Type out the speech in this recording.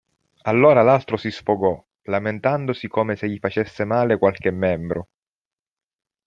Allora l'altro si sfogò, lamentandosi come se gli facesse male qualche membro.